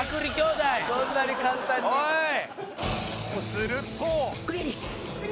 すると